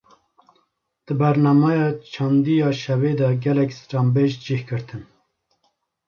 Di bernameya çandî ya şevê de gelek stranbêj cih girtin